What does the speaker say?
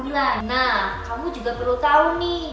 nah kamu juga perlu tahu nih